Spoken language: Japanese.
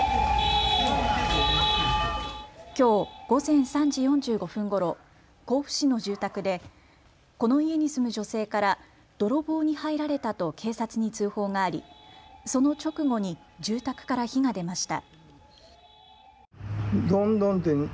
きょう午前３時４５分ごろ、甲府市の住宅でこの家に住む女性から泥棒に入られたと警察に通報がありその直後に住宅から火が出ました。